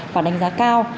và đánh giá cao